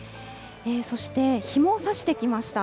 そして、日もさしてきました。